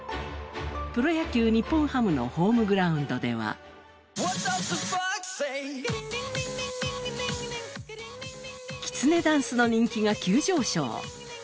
プロ野球・日本ハムのホームグラウンドではきつねダンスの人気が急上昇。